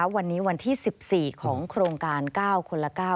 วันนี้วันที่๑๔ของโครงการ๙คนละ๙